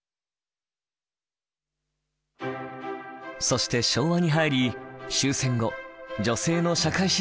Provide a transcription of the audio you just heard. そして昭和に入り終戦後女性の社会進出が進みます。